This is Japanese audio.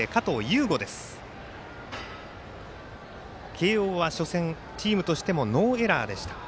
慶応は初戦、チームとしてもノーエラーでした。